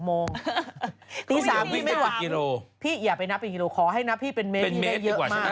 ๖โมงตี๓ไม่วอร์มพี่อย่าไปนับเป็นกิโลขอให้นับพี่เป็นเมตรได้เยอะมาก